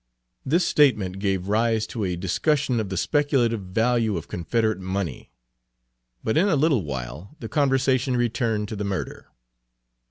This statement gave rise to a discussion of the speculative value of Confederate money; but in a little while the conversation returned to the murder.